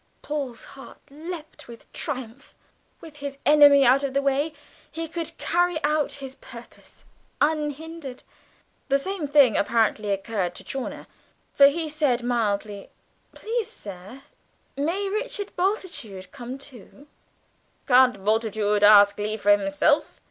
Paul's heart leaped with triumph; with his enemy out of the way, he could carry out his purpose unhindered. The same thing apparently occurred to Chawner, for he said mildly, "Please, sir, may Richard Bultitude come too?" "Can't Bultitude ask leave for himself?"